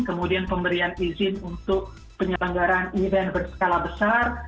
kemudian pemberian izin untuk penyelenggaran event berskala besar